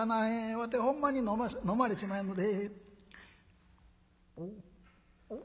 わてほんまに飲まれしまへんので」。